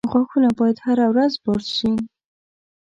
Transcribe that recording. • غاښونه باید هره ورځ برس شي.